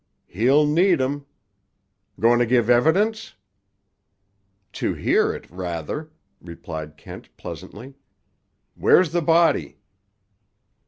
"He'll need 'em. Going to give evidence?" "To hear it, rather," replied Kent pleasantly. "Where's the body?"